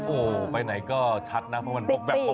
โอ้โหไปไหนก็ชัดนะเพราะมันตกแบบ